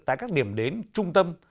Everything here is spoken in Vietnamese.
tại các điểm đến trung tâm